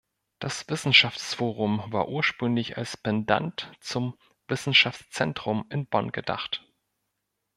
Das Wissenschaftsforum war ursprünglich "als Pendant zum Wissenschaftszentrum in Bonn gedacht".